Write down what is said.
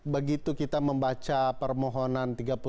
begitu kita membaca permohonan